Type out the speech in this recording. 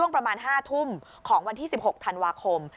ประมาณ๕ทุ่มของวันที่๑๖ธันวาคม